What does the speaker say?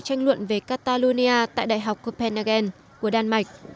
trong cuộc đời catalonia tại đại học copenhagen của đan mạch